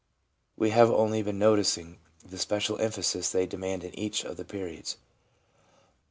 We have only been noticing the special emphasis they demand in each of the periods.